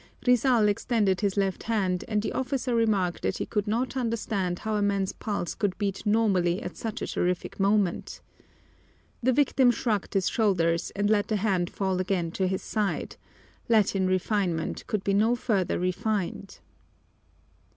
Rizal extended his left hand, and the officer remarked that he could not understand how a man's pulse could beat normally at such a terrific moment! The victim shrugged his shoulders and let the hand fall again to his side Latin refinement could be no further refined!